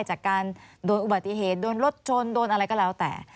จากการโดนอุบัติเหตุโดนรถชนโดนอะไรก็แล้วแต่